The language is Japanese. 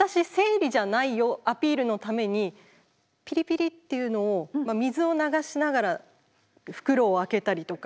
アピールのためにピリピリッていうのを水を流しながら袋を開けたりとか。